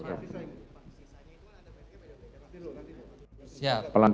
sisa itu ada berarti